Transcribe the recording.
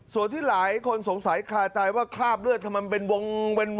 ส่วนที่หลายคนสงสัยคาใจว่าคราบเลือดทำไมมันเป็นวง